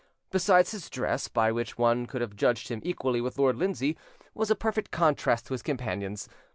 Besides, his dress, by which one could have judged him equally with Lord Lindsay, was a perfect contrast to his companion's.